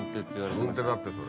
軍手だってそれ。